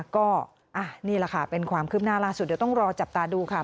ก็นี่แหละค่ะเป็นความคืบหน้าล่าสุดเดี๋ยวต้องรอจับตาดูค่ะ